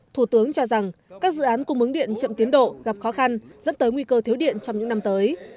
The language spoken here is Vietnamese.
thủ tướng cho rằng các dự án cung ứng điện chậm tiến độ gặp khó khăn dẫn tới nguy cơ thiếu điện trong những năm tới